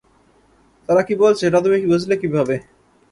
তারা কী বলছে, সেটা তুমি বুঝলে কীভাবে?